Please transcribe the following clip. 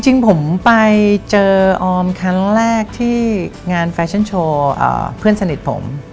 จริงผมไปเจอออมครั้งแรกที่งานแฟชั่นโชว์เพื่อนสนิทผม